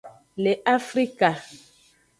Le afrka.